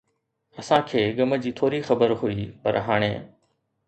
اسان کي غم جي ٿوري خبر هئي، پر هاڻي